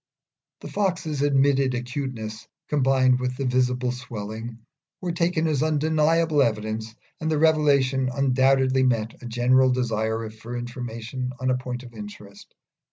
The Fox's admitted acuteness, combined with the visible swelling, were taken as undeniable evidence, and the revelation undoubtedly met a general desire for information on a point of interest.